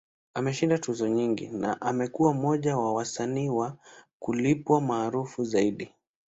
Ameshinda tuzo nyingi, na amekuwa mmoja wa wasanii wa kulipwa maarufu zaidi.